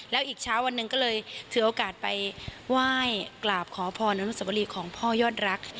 แล้วอีกเช้าวันหนึ่งก็เลยถือโอกาสไปไหว้กราบขอพรอนุสวรีของพ่อยอดรัก